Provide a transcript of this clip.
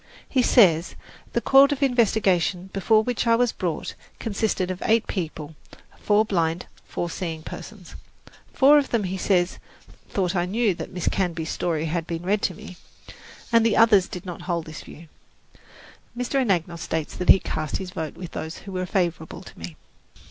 He says, the court of investigation before which I was brought consisted of eight people: four blind, four seeing persons. Four of them, he says, thought I knew that Miss Canby's story had been read to me, and the others did not hold this view. Mr. Anagnos states that he cast his vote with those who were favourable to me.